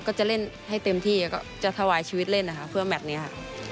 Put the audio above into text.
ก็จะเล่นให้เต็มที่จะถวายชีวิตเล่นเพื่อแมทนี้ค่ะ